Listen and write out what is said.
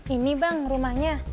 ini bang rumahnya